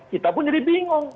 kita pun jadi bingung